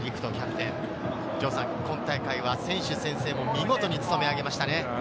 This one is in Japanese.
今大会は選手宣誓も見事に務め上げましたね。